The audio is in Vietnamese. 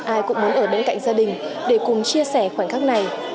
ai cũng muốn ở bên cạnh gia đình để cùng chia sẻ khoảnh khắc này